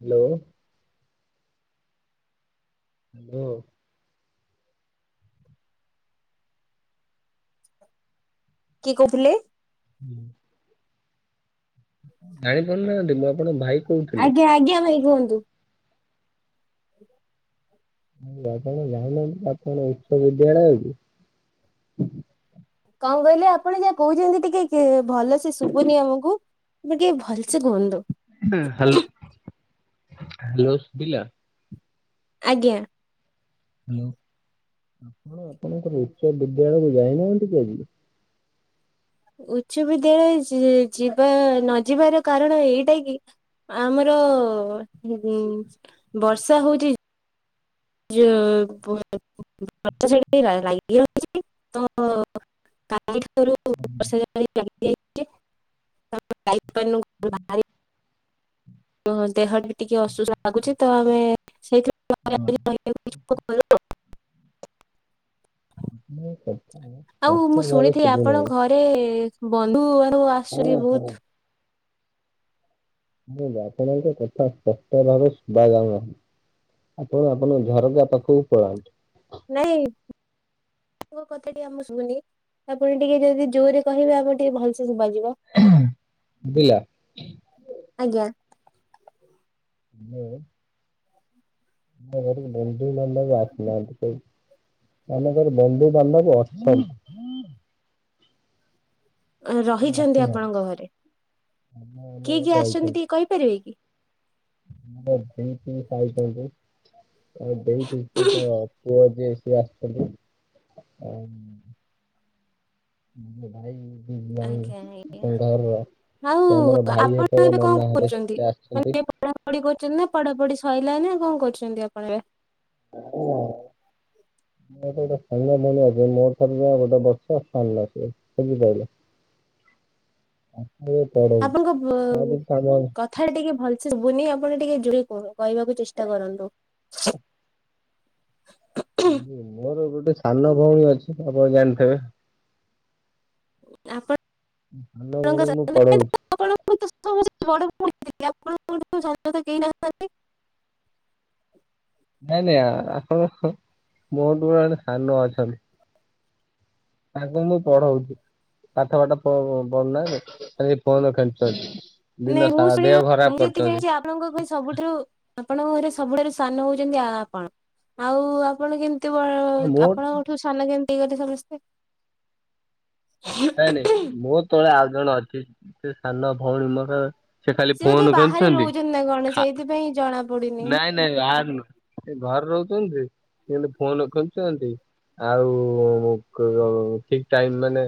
Hello. Hello. କିଏ କହୁଥିଲେ? ହୁଁ। ଜାଣିପାରୁନାହାନ୍ତି ମୁଁ ଆପଣଙ୍କ ଭାଇ କହୁଥିଲି। ଆଜ୍ଞା ଆଜ୍ଞା ଭାଇ କୁହନ୍ତୁ। [unintelligible] ଆପଣ ଯାଉନାହାନ୍ତି ଆପଣ ଉଚ୍ଚ ବିଦ୍ୟାଳୟକୁ? କଣ କହିଲେ? ଆପଣ ଯାହା କହୁଛନ୍ତି ଟିକେ କି ଭଲସେ ଶୁଭୁନି ଆମୁକୁ। ବାକି ଭଲସେ କୁହନ୍ତୁ। [unintelligible] ହାଲୋ ଏବେ ଶୁବିଲା? ଆଜ୍ଞା। ହାଲୋ ଆପଣ ଆପଣଙ୍କର ଉଚ୍ଚ ବିଦ୍ୟାଳୟକୁ ଯାଇନାହାନ୍ତି କି ଆଜି? ଉଚ୍ଚ ବିଦ୍ୟାଳୟ ଯି-ଯିବା ନ ଯିବାର କାରଣ ଏଇଟା କି ଆମର ଉଁ ବର୍ଷା ହଉଚି [unintelligible] ତ କା [unintelligible] ତ ଦେହଟା ଟିକେ ଅସୁସ୍ଥ ଲାଗୁଛି ତ ଆମେ ସେଇଥି [unintelligible] ମୋ କଥା ଆଉ ସ୍ପଷ୍ଟ ମୁଁ ଭାବେ ଶୁଣିଥିଲି ଶୁଭୁନାହିଁ। ଆପଣଙ୍କ ଘରେ ବନ୍ଧୁ ବାନ୍ଧବ ଶୁଣ ଆସଛନ୍ତି ଶୁଣ ବହୁତ୍? [unintelligible] ଆପଣଙ୍କ କଥା ପଷ୍ଟ ଭାବେ ଶୁଭା ଯାଉନାହିଁ। ଆପଣ ଆପଣଙ୍କ ଝରକା ପାଖୁକୁ ପଳାନ୍ତୁ। ନାଇଁ ଆପଣଙ୍କ କଥା ଟିକେ ଆମୁକୁ ଶୁଭୁନି। ଆପଣ ଟିକେ ଯଦି ଜୋରରେ କହିବେ ଆମୁକୁ ଟିକେ ଭଲସେ ଶୁଭାଯିବ। ବୁଝିଲା। ଆଜ୍ଞା। ମୁଁ ଆମ ଘରୁକୁ ବନ୍ଧୁ ବାନ୍ଧବ ଆସିନାହାନ୍ତି କେହି। ଆମ ଘରେ ବନ୍ଧୁ ବାନ୍ଧବ ଅଛନ୍ ଅଁ ରହିଛନ୍ତି ଆସିନାହାନ୍ତି ଆପଣଙ୍କ ଘରେ। ଆମ ଆମ କିଏ ଘରେ କିଏ ଆସିଛନ୍ତି ରହିଛନ୍ତି। ଟିକେ କହିପାରିବେ କି? ମୋ ପିଇସୀ [unintelligible] ଆଉ ଦେଇ [unintelligible] ପୁଅ ଯିଏ ସିଏ ଆସିଛନ୍ତି। ଅମ୍ ଭାଇ ଦି ଭାଇ ଆଜ୍ଞା [unintelligible] ଆଜ୍ଞା। ଘରର ଆଉ ସେ ଆମର ଭାଇ ଆପଣ ହେବେ ଏବେ କଣ ନନା ହେବେ ସେ ଆସିଛନ୍ତି। ପଢୁଚନ୍ତି ନା ପଢାପଢି ସଇଲାଇଁ ନା କଣ କରୁଛନ୍ତି ଆପଣ ଅଇକା? ମୋର ତ ଗୋଟେ ସାନ ଭଉଣୀ ଅଛିଲ ମୋର ଠାରୁ ସିଏ ଆଉ ଗୋଟେ ବର୍ଷ ସାନ ସିଏ ବୁଝିପାଇଲେ। [unintelligible] ଆପଣଙ୍କ ବଃ କାମ ଅଛି କଥାଟା ଟିକେ ଭଲ ସେ ଶୁବୁନି। ଆପଣ ଟିକେ ଜୋରରେ କୁହ କହିବାକୁ ଚେଷ୍ଟା କରନ୍ତୁ। [unintelligible] ମୋର ଗୋଟେ ସାନ ଭଉଣୀ ଅଛି ଆପଣ ଜାଣିଥେବେ? ଆପଣ୍ ସାନ ଭଉଣୀକୁ ମୁୁଁ ପଢଉଚି। ଆପଣଙ୍କୁ ତ ସମସ୍ତେ ବଡ ଭଉଣୀ ଥିଲେ। [unintelligible] ସାନ ତ କେହି ନାହାନ୍ତି। ନାଇଁ ନାଇଁ ଆଁ ଆହଁ ହଁ ମୋଠୁ ଜଣେ ସାନ ଅଛନ୍ତି। ତାଙ୍କୁ ମୁଁ ପଢଉଚି। ପାଠ ବାଟ ପ-ପଢୁ ନାହାନ୍ତି। ଖାଲି ଫୋନ ଖେଞ୍ଚୁଚନ୍ତି। ନାଇଁ ମୁଁ ଶୁଣିବା ମୁଁ ଯେତିକି ଜାଣିଚି ଆପଣଙ୍କ ଘରେ ସବୁଠାରୁ ଆପଣଙ୍କ ଘରେ ସବୁଠାରୁ ସାନ ହଉଛନ୍ତି ଆ-ଆପଣ। ଆଉ ଆପଣ କେମ୍ [unintelligible] ମୋ ଆପଣଙ୍କଠୁ ସାନ କେମତି ହେଇଗଲେ ସମସ୍ତେ? ନାଇଁ ନାଇଁ ମୋ ତଳେ ଆଉ ଜଣେ ଅଛି। ସେ ସାନ ଭଉଣୀ ମୋର। ସେ ଖାଲି ସିଏ ବୋଧେ ଫୋନ୍ ବାହାରେ କେଚୁଛନ୍ତି, ରହୁଛନ୍ତି ନା କଣ ସେଇଥିପାଇଁ ଜଣା ପଡୁନି। ନାଇଁ ନାଇଁ ଆର ନୁହୁ। ସେ ଘରେ ରହୁଛନ୍ତି, ଫୋନ୍ କେଚୁଛନ୍ତି। ଆଉ ଠିକ୍ ଟାଇମ୍ ମାନେ,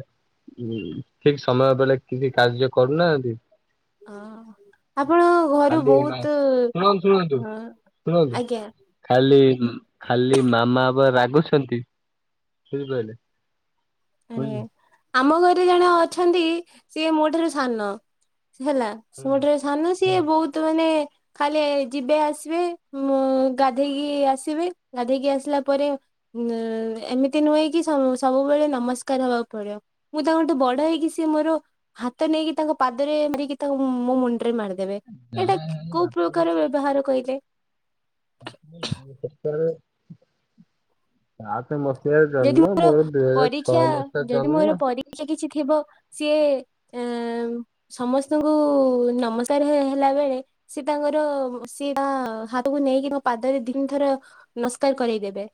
ଠିକ୍ ସମୟ ବେଳେ। କିଛି କାର୍ଯ୍ୟ କରୁନାହାନ୍ତି? ହ ଆପଣ ଘରୁ ଖାଲି ମା ବହୁତ ଶୁଣନ୍ତୁ ରୁହନ୍ତୁ ଆଜ୍ଞା ଖାଲି ଖାଲି ମାମାବ ରାଗ ବୁଛନ୍ତି ବୁଝିପହିଲେ। ଆଜ୍ଞା, ଆମ ଘରେ ଜଣେ ଅଛନ୍ତି ସିଏ ମୋ ଠାରୁ ସାନ। ହେଲା ସେ ମୋଠାରୁ ସାନ, ସିଏ ବହୁତ ମାନେ ଖାଲି ଯିବେ ଆସିବେ ମୁଁ ଗାଧେଇକି ଆସିଵି ଗାଧେଇକି ଆସିଲା ପରେ, ଉଁ ଏମିତି ନୁହେଁ କିି, ସବୁବେଳେ ନମସ୍କାର ନମସ୍କାର ହବାକୁ ପଡିବ, ମୁଁ ତାଙ୍କଠୁ ବଡ ହେଇକି ସେ ମୋର ହାତ ନେଇକି ତାଙ୍କ ପାଦରେ ମୋ ମାରିଦେବେ ଏଇଟା ଯାହା କୋଉ ପ୍ରକାର ବ୍ୟବହାର କହିଲେ। [unintelligible] [unintelligible] ମସିହାରେ ଯଦି ଜନ୍ମ ମୋର ଦୁଇ ହଜାର ପରୀକ୍ଷା ଛଅ ମସିହାର ଜନ୍ମ। ସି ଏ ଅ [unintelligible] ସମସ୍ତଙ୍କୁ ନମସ୍କାର ହେଲା ବେଳେ ସିଏ ତାଙ୍କର ସି ତା ହାତକୁ ନେଇକି ମୋ ପାଦରେ ତିନିଥର ନମସ୍କାର କରେଇଦେବେ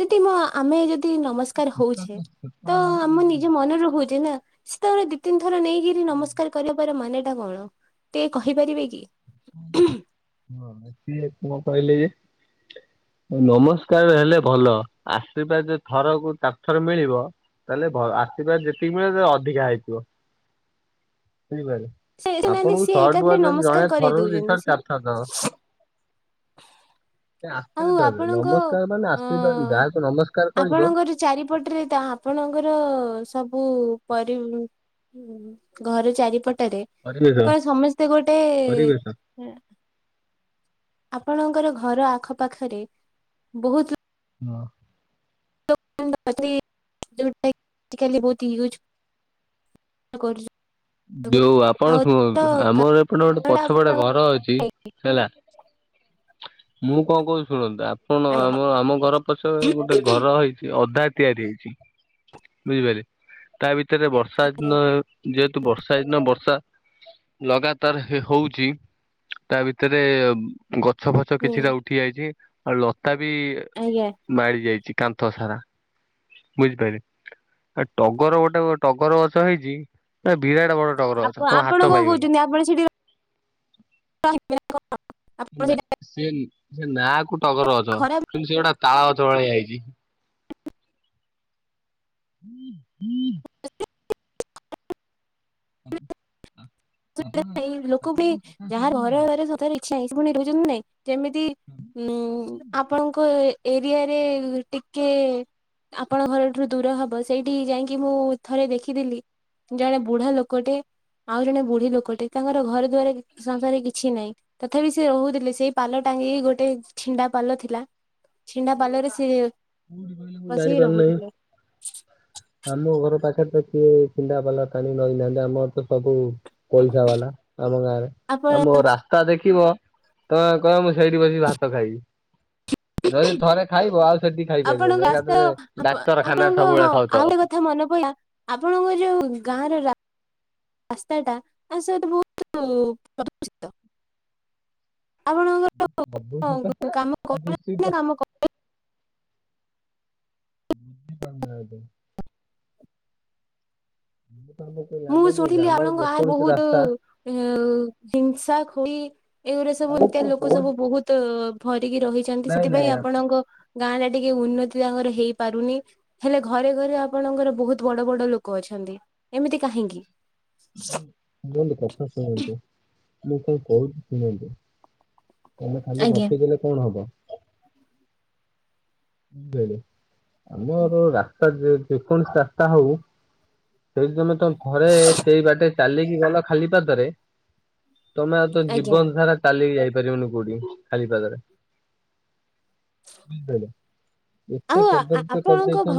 ଯଦି ମୋ ଆମେ ଯଦି ନମସ୍କାର ତ ହଉଛେ ତ ଆମ ଛୋଟ ନିଜ ମନରେ ହଉଛେ ନା, ସେତେବେଳେ ଦି ତିନ ଥର ନେଇକିରି ନମସ୍କାର କରିବାର ମାନେ ଟା କଣ ଟିକେ କହିପାରିବେ କି? ହଁ [unintelligible] ନମସ୍କାର ହେଲେ ଭଲ ଆଶୀର୍ବାଦ ଥରକୁ ଚାରଥର ମିଳିବ। ତାହେଲେ ଭ ଆଶ୍ରୀବାଦ ଯେତିକି ମିଳିବ ତ ରଅଧିକା ହେଇଥିବ। ବୁଝିପାଇଲେ, ସେ ନାହାନ୍ତି ଆପଣଙ୍କୁ ସିଏ ଶହେ ଟଙ୍କା ଏକାଥରେ ଯଦି ନମସ୍କାର ଜଣେ କରେଇ ଥରୁ ଦି ଥର ଦଉଛନ୍ତି ଚାରଥର ଦଵ। ଆଉ ଆପଣଙ୍କ ନମସ୍କାର ମାନେ ଅ ଆଶୀର୍ବାଦ ଯାହାକୁ ନମସ୍କାର କରିବ ଆପଣଙ୍କର ଚାରିପଟରେ ତାହା ଆପଣଙ୍କର ସବୁ ପରି ଘର ଚାରିପଟ [unintelligible] ପରିବେଶ କଣ ସମସ୍ତେ ଗୋଟେ ପରିବେଶ ଆପଣଙ୍କର ଘର ଆଖପାଖରେ ବହୁତ ହଁ ଅଁ ଯୋଉଟା ଆଜି କାଲି ବହୁତ ୟୁଜ କରୁ ଯୋଉ ଆପଣ ଶୁଣନ୍ତୁ ଆମର ଏପଟେ ଗୋଟେ ପଛପଟେ ଘର ଅଛି। ହେଲା ମୁଁ କଣ କହୁ ଶୁଣନ୍ତୁ ଆପଣ ଆମ ଆମ ଘର ପଛ ଗୋଟେ ଘର ହେଇ ସେ ଅଧା ତିଆରି ହେଇଛି ବୁଝିପାରିଲେ, ତା ଭିତରେ ବର୍ଷା ଦିନ ଯେ, ବର୍ଷା ଦିନ ବର୍ଷା ଲଗାତାର ହଉଛି ତା ଭିତରେ ଗଛ ଫଛ ହୁଁ କିଛିଟା ଉଠି ଯାଇଛି ଆଉ ଲତା ବି ଆଜ୍ଞା ମାରି ଯାଇଛି। କାନ୍ଥ ସାରା। ବୁଝିପାରିଲେ ଆ ଟଗର ଗୋଟେ ଟଗର ଗଛ ହେଇଛି, ନା ବିରାଟ ବଡ ଟଗର ଅଛ ଆପଣ ତମ କଣ ହାତ ପାଇବନି। କହୁଛନ୍ତି ଆପଣ ସେଠି ଆପଣ ନା ସେଟା ସେ ସେ ନା, ନାକୁ ଟଗର ଗଛ ଖରାପ କିନ୍ତୁ ସେ ଗୋଟେ ତାଳ ଗଛ ଭଳିଆ ହେଇଛି। ହୁଁ [unintelligible] [unintelligible] ଲୋକ ବି ଯାହା ଘରେତାରେ ଇଚ୍ଛା ନାହିଁ ପୁଣି ରହୁଛନ୍ତି ନାଇଁ। ଯେମିତି ଉଁ ଆପଣଙ୍କ ଏରିଆରେ ଟିକେ ଆପଣଙ୍କ ଘରଠାରୁ ଦୂର ହବ, ସେଇଠି ଯାଇକି ମୁଁ ଥରେ ଦେଖିଥିଲି ଜଣେ ବୁଢା ଲୋକଟେ ଆଉ ଜଣେ ବୁଢ ଲୋକଟେ ତାଙ୍କର ଘର ଦୁଆରେ ସଂସାରେ କିଛି ନାହିଁ ତଥାପି ସେ ରହୁଥିଲେ ସେଇ ପାଲ ଟାଙ୍ଗିକି ଗୋଟେ ଛିଣ୍ଡା ପାଲ ଥିଲା ଛିଣ୍ଡା ପାଲ ରେ ସେଏ ହୁଁ ହୁଁ ହୁଁ ହୁଁ ଜାଣିପାରୁ ନେଇଁ। ଆମ ଘର ପାଖରେ ତ କିଏ ଛିଣ୍ଡାପାଲ ଟାଣି ରହିନାହାନ୍ତି ଆମର ତ ସବୁ ପଇସା ବାଲା ଆମ ଗାଁରେ ଆପଣ ଆମ ରାସ୍ତା ଦେଖିବ ତମେ କହିବ ମୁଁ ସେଇଠି ବସି ଭାତ ଖାଇବି। ଯଦି ଥରେ ଖାଇବ ଆଉ ସେଠି ଆପଣଙ୍କ ଖାଇପାରିବନି ରାସ୍ତା ଏକାଥରେ ଡାକ୍ତରଖାନାରେ ସବୁବେଳେ ଖାଉଥବ। ଥା ମନେ ପଇଲା ଆପଣଙ୍କ ଯୋଉ ଗାଁରେ ରା ରାସ୍ତାଟା ଆ ସହିତ ଭଉତୁ ପ୍ରଦୂଷିତ। ପ୍ରଦୂଷିତ ଆପଣଙ୍କର କାମ କରୁ ଦୂଷିତ ନାହାନ୍ତି ନାଁ କାମ କଇବେ? ବୁଝିପାରୁ ନାହାନ୍ତି। ଇଲେ ମୁଁ ଶୁଣଥିଲି ଆପଣଙ୍କ ଗାଁରେ ବୋହୁତୁ ରାସ୍ତା ଉଁ ହିଂସା ଖୋଇ ଏଇଗୁରା ସ ସବୁ ମୁଁ ଏମିତିଆ କଣ ଲୋକ କହୁଛି ସବୁ ବୋହୁତୁ ଭରିକି ରହିଚନ୍ତି ନାଇଁ ନାଇଁ ସେଥିପାଇଁ ଆପଣଙ୍କ ଗାଁରେ ଟିକେ ଉନ୍ନତି ତାଙ୍କର ହେଇପାରୁନି ହେଲେ ଘରେ ଘରେ ଆପଣଙ୍କର ବହୁତ ବଡ଼ ବଡ଼ ଲୋକ ଅଛ ହାନ୍ଦି ଏମିତି କାହିଁକି? ମୋ ମୁଁ କହିଲି କଥା ଶୁଣନ୍ତୁ ଲୋକ କହୁଚି ଶୁଣନ୍ତୁ। ତମେ ଖାଲି ଆଜ୍ଞା। ଗପିଦେଲେ କଣ ହବ? ଦେଖ୍ ଆମର ରାସ୍ତା ଯେ ଯେକୌଣସି ରାସ୍ତା ହଉ ସେଇ ଯେମିତି ଆମ ଘରେ ସେଇ ବାଟେ ଚାଲିକି ଗଲ ଖାଲି ପାଦରେ ତମେ ଆଉ ତ ଆଜ୍ଞା ଜୀବନ ସାରା ଚାଲିକି ଯାଇ ପାରିବନି କୋଉଠି ଖାଲି ପାଦରେ ବୁଝି ପାଇଲ? ଆଉ ଆଆ ଆପଣଙ୍କ ଘ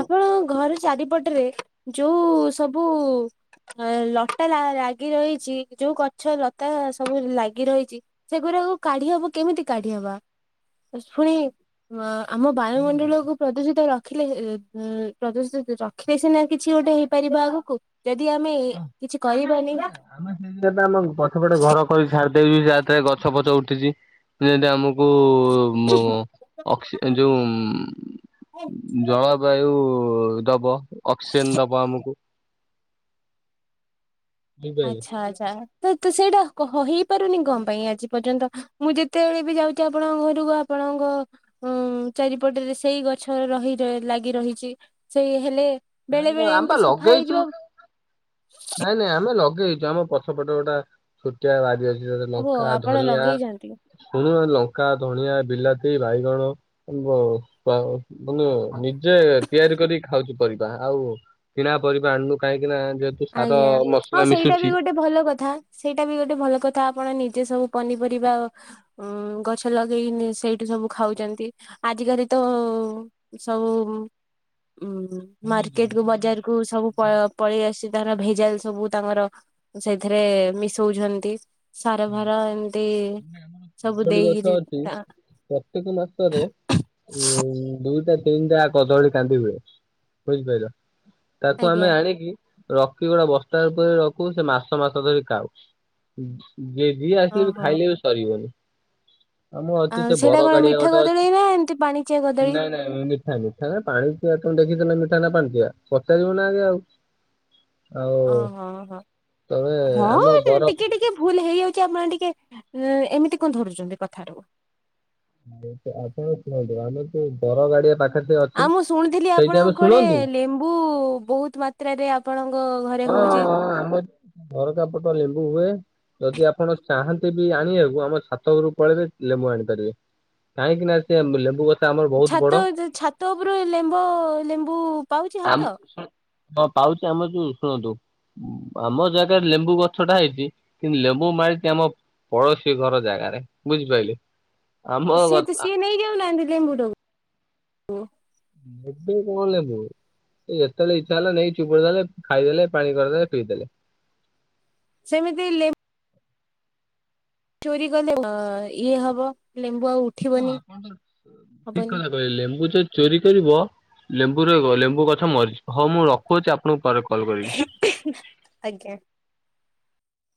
ଆପଣଙ୍କ ଘର ଚାରିପଟରେ ଯୋଉ ସବୁ ଅ ଲଟା ଲା ଲାଗି ରହିଛି ଯୋଉ ଗଛ ଲତା ସବୁ ଲାଗି ରହିଚି ସେଗୁରାକୁ କାଢ଼ି ହବ କେମିତି କାଢ଼ି ହବା? ଏ ଶୁଣି ମା ଆମ ଯେ ବାୟୁମଣ୍ଡଳକୁ ପ୍ରଦୂଷିତ ରଖିଲେ ଏ ଏ ଏପ୍ରଦୂଷିତ ରଖିଲେ ସିନା କିଛି ଓଟେ ହେଇପାରି ହେବା ଆଗୁକୁ ଯଦି ଆମେ ଏ କିଛି କରିବାନି ଆମେ ସେଇ ଯୋଗେ ପା ଆମ ପଛପଟେ ଘର କରି ଛାଡ଼୍ ଲେ ବି ଯା ଏତେ ଗଛ ଫଛ ଉଠିଚି କି ଯଦି ଆମୁ ବୁ ମୁଁ ଅକ୍ସି ଯୋଉଁ ଜଳ ବାୟୁ ଦବ ଅକ୍ସିଜେନ୍ ଦବ ଆମୁକୁ। ବୁଝିପାରିଲେ। ଆଚ୍ଛା ଆଚ୍ଛା। ତ ତୁ ସେଇଟା କହ ହେଇପାରୁନି କଁ ପାଇଁ ଆଜି ପର୍ଯ୍ୟନ୍ତ ମୁଁ ଯେତେଏଳେ ବି ଯାଉଚି ଆପଣଙ୍କ ଘରୁକୁ ଆପ ଆପଣଙ୍କ ଉଁ ଚାରିପଟରେ ସେଇ ଗଛ ରହି ର ଲାଗି ରହିଛି ସେଇ ହେଲେ ବେଳେ ନାଇଁ ବେଳେ ଆମ ବା ଏମତି ସଫା ଲଗେଇଛୁ ହେଇଯିବା ନାଇଁ ନାଇଁ ଆମେ ନଗେଇଚୁ ଆମ ପଛପଟେ ଗୋଟା ଛୋଟିଆ ବାରି ଅ ଇ ଯଦି ଓହୋ ନଙ୍କା ଆପଣ ଧଣିଆ ଲଗେଇଛନ୍ତି। ଶୁଣ ହାଲୋ। ପକା, ଧଣିଆ, ବିଲାତି, ବାଇଗଣ ଉଁ ବ ତ ତମେ ନିଜେ ତିଆ ରି କରି ଖାଉଚୁ ପରିବା ଆଉ କିଣା ପରିବା ଆଣୁନୁ କାହିଁକି ନାଁ ଯେହେତୁ ସାର ଆଜ୍ଞା ହଁ ମସଲା ସେଇଟା ବି ମିଶୁଛି ଗୋଟେ ଭଲ କଥା ସେଇଟା ବି ଗୋଟେ ଭଲ କ ତ ଆପଣ ନିଜେ ସବୁ ପନିପରିବା ଉଁ ଗଛ ଲଗେଇ ନି ସେଇଠୁ ସବୁ ଖାଉଚନ୍ତି। ଆଜିଗାରି ତ ସବୁ ଉଁ ମାର୍କେଟ୍ କୁ ବଜାର୍ କୁ ସବୁ ପ ପଳେଇ ଆସି ଧର ଭେଜାଲ୍ ସବୁ ତାଙ୍କର ସେଇଥିରେ ମିଶୋଉଛନ୍ତି। ସାର ଭାର ଏମତି ସବୁ କଦଳୀ ଗଛ ଦେଇକିରି ଅଛି ତା ପ୍ରତ୍ୟେକ ମାସରେ ଉଁ ଦୁଇଟା ତିନଟା କଦଳୀ କାନ୍ଧି ହୁଏ, ବୁଝିପାଇଲ? ତାକୁ ଆମେ ଆଜ୍ଞା ଆଣିକି ରଖି ଗୋଟେ ବସ୍ତାରେ ପୁରେଇ ରଖୁ ସେ ମାସ ମାସ ଧରି କାଉ। ଉଁ ଯିଏ ଯିଏ ଆସିଲେ ବି ଓହୋ ଖାଇଲେ ବି ସରିବନି। ଆମ ଅଛି ଆଉ ସେ ସେଇଟା ବର କଣ ଗାଡିଆ ମିଠା ଗୋଟେ କଦଳୀ ନା ଏମିତି ପାଣିଚିଆ ଅଛି। କଦଳୀ? ନାଇଁ ନାଇଁ ମିଠା ମିଠା କ ପାଣି [unintelligible] [unintelligible] ମିଠା ନା ପାଞ୍ଚିଆ ପଚାରିବ ନା ଆଗେ ଆଉ। ଆଉ ଓଃହୋ ହଁ ତମେ ହଁ ଆମ ହଁ ବର ଟିକେ ଟିକେ ଭୁଲ ହେଇଯାଉଛି। ଆପଣ ଟିକେ ଏମିତି କଣ ଧରୁଛନ୍ତି କଥାଟା କୁ ଆପଣ ଶୁଣନ୍ତୁ ଆମେ ଯୋଉ ବର ଗାଡିଆ ପାଖ ଆଉ ମୁଁ ଶୁଣିଥିଲି ଆପଣ କୁଆଡେ ଲେମ୍ବୁ ବହୁତ ମାତ୍ରାରେ ଆପଣ ହଁ ହଁ ହଁ ଆମର ଝରକା ପଟ ଲେମ୍ବୁ। ହୁଏ ଯଦି ଆପଣ ଚାହାନ୍ତି ବି ଆଣିବାକୁ ଆମ ଛାତ ଉପରକୁ ପଳେଇବେ ଲେମ୍ବୁ ଆଣିପାରିବେ। କାହିଁକି ନା ସେ ଲେମ୍ବୁ ଗଛ ଆମର ବହୁତ ବଡ। ଛାତ ଛାତ ଉପରେ ଲେମ୍ବୁ ଲେମ୍ବୁ ପାଉଛି ହାତ? ଆମ ହଁ ପାଉଛି ଆମ ଯୋଉ ଶୁଣନ୍ତୁ। ଆମ ଜାଗାରେ ଲେମ୍ବୁ ଗଛ ଟା ହେଇଛି କିନ୍ତୁ ଲେମ୍ବୁ ମାଡ଼ିଛି ଆମ ପଡୋଶୀ ଘର ଜାଗା ଆଡ଼େ ବୁଝିପାରିଲେ। ଆମ ଗ ସିଏ ତ ସିଏ ନେଇ ଯାଉନାହାନ୍ତି ଲେମ୍ବୁ ଟା କୁ ଏତେ କଣ ଲେମ୍ବୁ? ଯେତେବେଳେ ଇଚ୍ଛା ହେଲା ନେଇ ଚିପୁଡି ଦେଲେ ଖାଇଦେଲେ ପାଣି କରିଦେଲେ ପିଇଦେଲେ। ସେମିତି ଲେମ୍ ଚୋରି କଲେ ଇଏ ହବ ଲେମ୍ବୁ ଆଉ ହଁ ଉଠିବନି ଆପଣ ତ ଠିକ ହବନି। କଥା କହିଲେ ଲେମ୍ବୁ ଚୋରି ଚୋରି କରିବ ଲେମ୍ବୁ ର ଲେମ୍ବୁ ଗଛ ମରିଯିବ ହଁ ମୁଁ ରଖୁଛି ଆପଣଙ୍କୁ ପରେ କଲ୍ କଲ୍ କରିବି। ଆଜ୍ଞା।